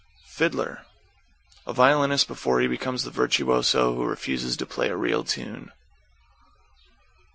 =FIDDLER= A violinist before he becomes the virtuoso who refuses to play a real tune.